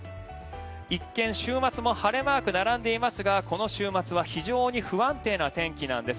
一見、週末も晴れマークが並んでいますがこの週末は非常に不安定な天気なんです。